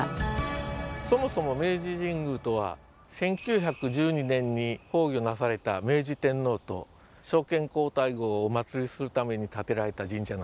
そもそも明治神宮とは１９１２年に崩御なされた明治天皇と昭憲皇太后をお祀りするために建てられた神社なんです。